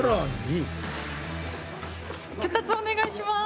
脚立お願いします！